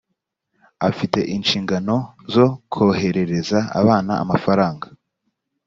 afite inshingano zo koherereza abana amafaranga